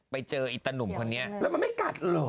ไปเจอไอ้ตะหนุ่มคนนี้แล้วมันไม่กัดเหรอ